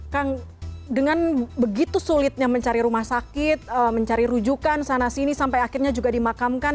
kang dengan begitu sulitnya mencari rumah sakit mencari rujukan sana sini sampai akhirnya juga dimakamkan